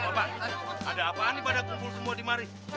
bapak ada apaan nih pada kumpul semua di mari